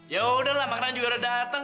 yaudah lah makanan juga udah dateng